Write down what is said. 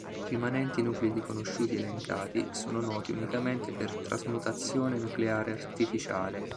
I rimanenti nuclidi conosciuti elencati sono noti unicamente per trasmutazione nucleare artificiale.